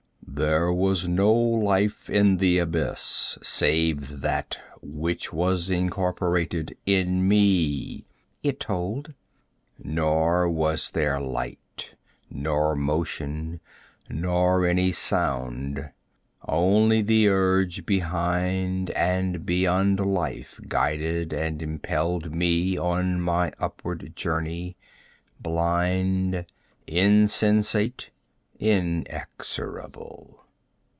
'There was no life in the Abyss, save that which was incorporated in me,' it tolled. 'Nor was there light, nor motion, nor any sound. Only the urge behind and beyond life guided and impelled me on my upward journey, blind, insensate, inexorable.